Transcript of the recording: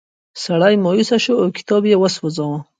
سړی مایوسه شو او کتاب یې وسوځاوه.